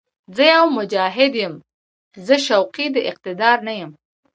زه يو «مجاهد» یم، زه شوقي د اقتدار نه یم